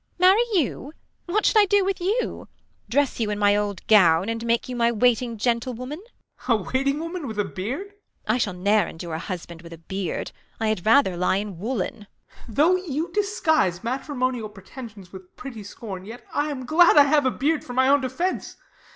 Marry you ] what should I do with you] Dress you in my old gown, and make you my Waiting woman 1 Ben. a waiting woman with a beard ? Beat. I shall ne'er endure a husband with a beard. I had rather lye in woolen. Ben. Though you disguise matrimonial preten sions "With pretty scorn, yet I am glad I have A beard for my own defence.